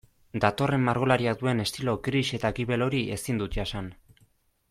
Datorren margolariak duen estilo gris eta gibel hori ezin dut jasan.